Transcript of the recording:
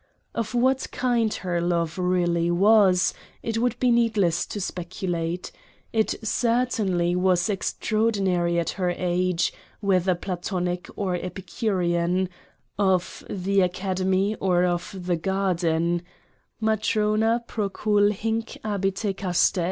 Of what kind her love really was, it would be needless to speculate : it certainly was extraordinary at her age, whether Platonic, or Epicurean, — of the Academy, or of the Garden :" Matrona procul June abite casta."